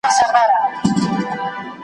د ښار خلک هم پر دوو برخو وېشلي .